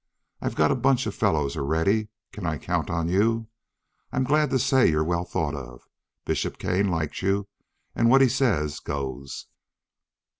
I've got a bunch of fellows already. Can I count on you? I'm glad to say you're well thought of. Bishop Kane liked you, and what he says goes."